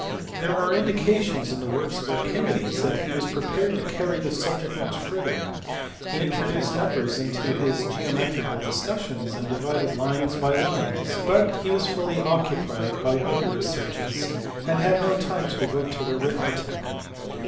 There are indications in the works of Archimedes that he was prepared to carry the subject much further : he introduced numbers into his geometrical discussions and divided lines by lines, but he was fully occupied by other researches and had METRODORUS. 103 no time to devote to arithmetic.